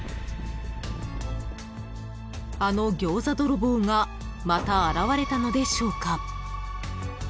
［あの餃子ドロボーがまた現れたのでしょうか］